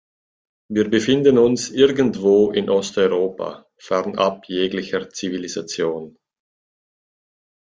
Wir befinden uns irgendwo in Osteuropa, fernab jeglicher Zivilisation.